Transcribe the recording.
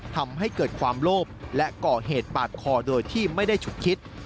ทำให้เกิดความโลภและก่อเหตุปาดคอโดยที่ไม่ได้ฉุกคิด